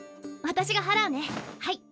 私がはらうねはい。